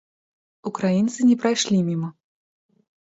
Украінцы не прайшлі міма.